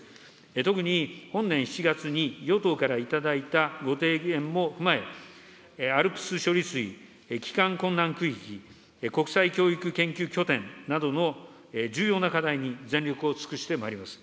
特に本年７月に与党からいただいたご提言も踏まえ、ＡＬＰＳ処理水、帰還困難区域、国際教育研究拠点などの重要な課題に全力を尽くしてまいります。